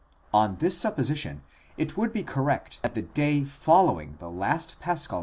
On this supposition, it would be correct that the day following the last paschal